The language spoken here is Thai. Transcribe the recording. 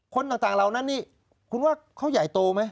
คนต่างเหล่านั้นนี่คุณว่าเขาใหญ่โตไหม